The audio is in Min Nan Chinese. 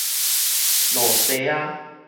露西亞